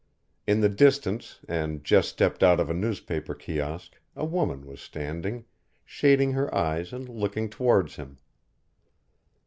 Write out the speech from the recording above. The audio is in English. In the distance and just stepped out of a newspaper kiosk a woman was standing, shading her eyes and looking towards him.